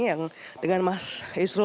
yang dengan mas isrul